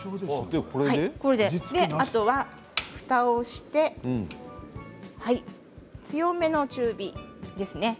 あとはふたをして強めの中火ですね。